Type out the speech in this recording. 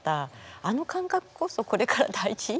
あの感覚こそこれから大事。